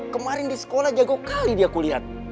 kemarin di sekolah jago kali dia kuliah